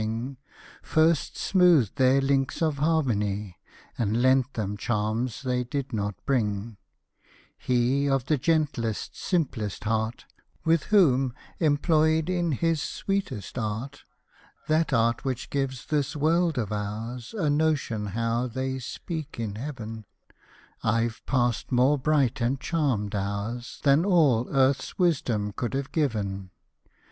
Hosted by Google SIR JOHN STEVENSON 235 First smoothed their Hnks of harmony, And lent them charms they did not bring ; He, of the gentlest, simplest heart, With whom, employed in his sweet art, (That art, which gives this world of ours A notion how they speak in heaven,) I've passed more bright and charmed hours Than all earth's wisdom could have given.